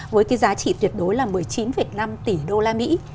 với cái giá trị tuyệt đối là một mươi chín năm tỷ đô la mỹ